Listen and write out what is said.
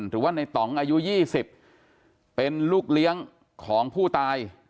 หรือว่าในต่องอายุ๒๐เป็นลูกเลี้ยงของผู้ตาย